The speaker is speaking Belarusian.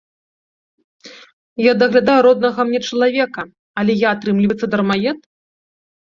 Я даглядаю роднага мне чалавека, але я, атрымліваецца, дармаед?